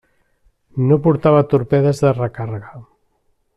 No portava torpedes de recàrrega.